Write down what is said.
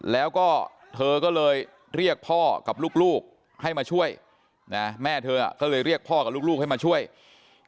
แล้วก็เธอก็เลยเรียกพ่อกับลูกให้มาช่วยนะแม่เธอก็เลยเรียกพ่อกับลูกให้มาช่วย